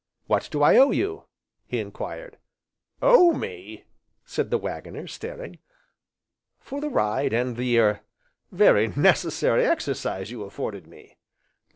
"What do I owe you?" he enquired. "Owe me!" said the Waggoner, staring. "For the ride, and the er very necessary exercise you afforded me."